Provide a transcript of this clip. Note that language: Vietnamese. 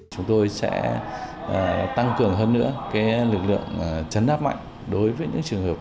chúng tôi sẽ tăng cường hơn nữa lực lượng chấn áp mạnh đối với những trường hợp